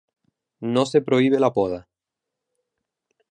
No se prohíbe la poda.